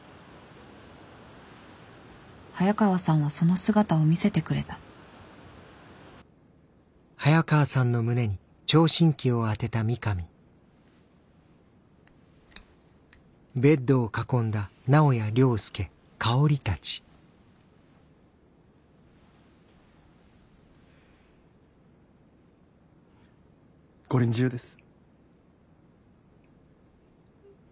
早川さんはその姿を見せてくれたご臨終です。